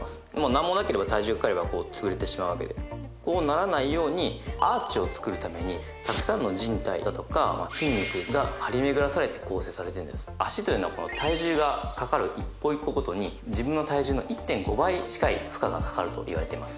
何もなければ体重がかかればこう潰れてしまうわけでこうならないようにアーチをつくるためにたくさんの靱帯だとか筋肉が張りめぐらされて構成されてるんです足というのは体重がかかる一歩一歩ごとに自分の体重の１．５倍近い負荷がかかるといわれています